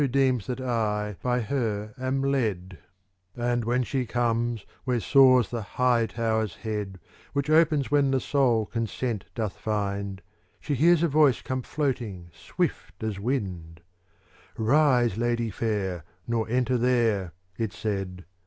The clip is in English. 102 CANZONIERE And when she comes where soars the high tower's head, Which opens when the soul consent doth find, She hears a voice come floating swift as wind, " Rise, Lady fair, nor enter there," it said.